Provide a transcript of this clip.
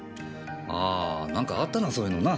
あ何かあったなそういうのな。